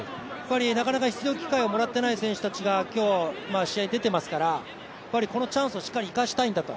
なかなか出場機会をもらってない選手たちが今日、試合に出てますからこのチャンスをしっかり生かしたいんだと。